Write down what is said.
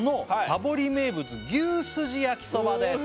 「さぼり名物牛すじやきそばです」